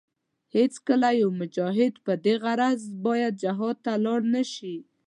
هېڅکله يو مجاهد په دې غرض باید جهاد ته لاړ نشي.